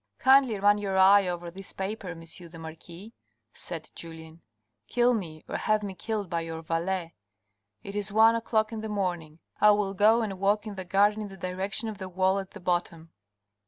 " Kindly run your eye over this paper, M. the marquis," said Julien. " Kill me, or have me killed by your valet. It is one o'clock in the morning. I will go and walk in the garden in the direction of the wall at the bottom."